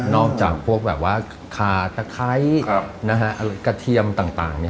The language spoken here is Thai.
จากพวกแบบว่าขาตะไคร้กระเทียมต่าง